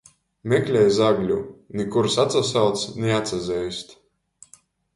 Meklej zagļu, ni kurs atsasauc, ni atsazeist.